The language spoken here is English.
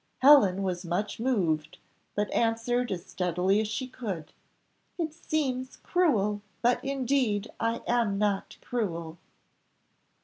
Helen was much moved, but answered as steadily as she could. "It seems cruel, but indeed I am not cruel."